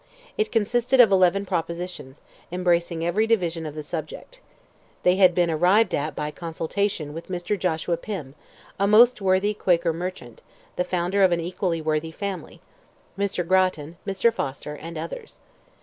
It consisted of eleven propositions, embracing every division of the subject. They had been arrived at by consultation with Mr. Joshua Pim, a most worthy Quaker merchant, the founder of an equally worthy family; Mr. Grattan, Mr. Foster, and others.